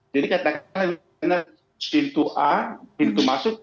jadi katakanlah pintu a pintu masuk